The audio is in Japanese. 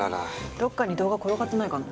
どっかに動画転がってないかな。